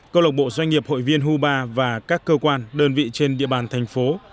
câu lộc bộ doanh nghiệp hội viên huba và các cơ quan đơn vị trên địa bàn thành phố